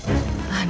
tidak ada apa apa